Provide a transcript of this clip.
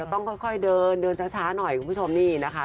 ต้องค่อยเดินเดินช้าหน่อยคุณผู้ชมนี่นะคะ